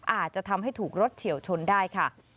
อาจจะทำให้ถูกรถเฉียวชนได้ค่ะ